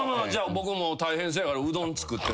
僕も大変そうやからうどん作って「食べ」言うて。